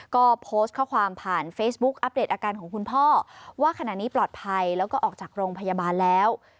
ก็โพสต์ข้อความผ่านเฟซบุ๊กอัปเดตอาการของคุณพ่อว่าขณะนี้ปลอดภัยแล้วก็ออกจากโรงพยาบาลแล้ว